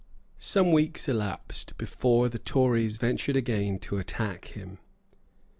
Some weeks elapsed before the Tories ventured again to attack him.